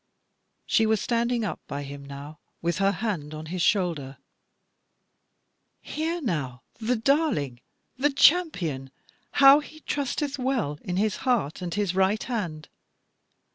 She was standing up by him now with her hand on his shoulder, "Hear now the darling, the champion! how he trusteth well in his heart and his right hand.